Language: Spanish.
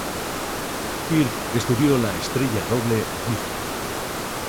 Kirch Estudió la estrella doble Mizar.